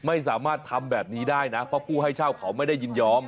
ไม่สามารถทำแบบนี้ได้นะเพราะผู้ให้เช่าเขาไม่ได้ยินยอม